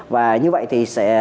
và như vậy thì sẽ